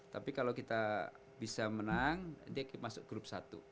tapi kalau kita bisa menang dia masuk grup satu